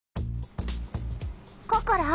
ココロ。